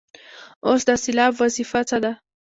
اوس د سېلاب وظیفه څه ده.